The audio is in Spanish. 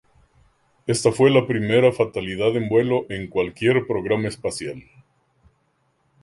Esta fue la primera fatalidad en vuelo en cualquier programa espacial.